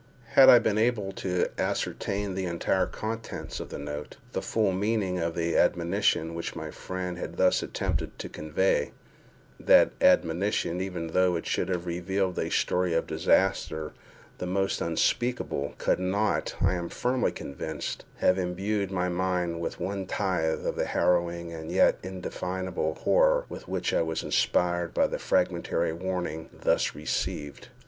Had I been able to ascertain the entire contents of the note—the full meaning of the admonition which my friend had thus attempted to convey, that admonition, even although it should have revealed a story of disaster the most unspeakable, could not, I am firmly convinced, have imbued my mind with one tithe of the harrowing and yet indefinable horror with which I was inspired by the fragmentary warning thus received.